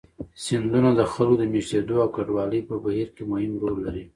سیندونه د خلکو د مېشتېدو او کډوالۍ په بهیر کې مهم رول لري.